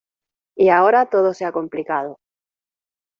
y ahora todo se ha complicado.